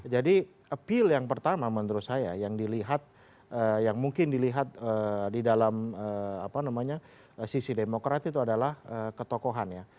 jadi appeal yang pertama menurut saya yang dilihat yang mungkin dilihat di dalam apa namanya sisi demokrat itu adalah ketokohan ya